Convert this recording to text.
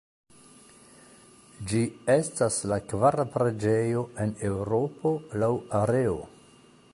Ĝi estas la kvara preĝejo en Eŭropo laŭ areo.